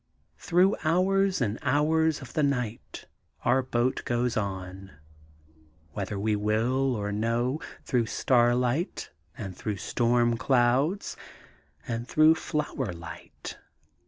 Through hours and hours of the night our boat goes on, whether we will or no, through starlight and through storm clouds and through flower light.